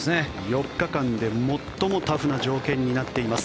４日間で最もタフな条件になっています。